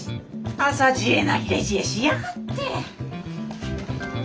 浅知恵な入れ知恵しやがって。